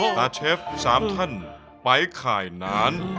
สตาร์ทเชฟสามท่านไปข่ายหนาน